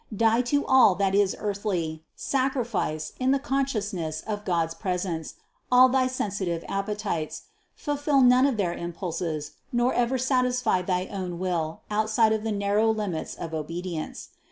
Die to all that is earthly, sacrifice, in the consciousness of God's presence, all thy sensitive appetities, fulfill none of their impulses, nor ever satisfy thy own will outside of the narrow limits of obedience.